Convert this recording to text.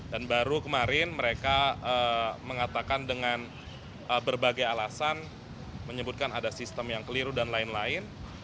dan baru kemarin mereka mengatakan dengan berbagai alasan menyebutkan ada sistem yang keliru dan lain lain